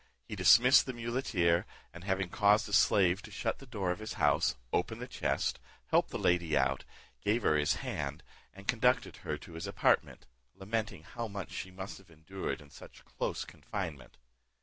He dismissed the muleteer, and having caused a slave to shut the door of his house, opened the chest, helped the lady out, gave her his hand, and conducted her to his apartment, lamenting how much she must have endured in such close confinement.